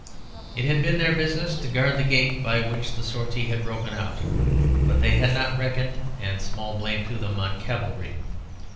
It had been their business to guard the gate by which the sortie had broken out; but they had not reckoned, and small blame to them, on cavalry.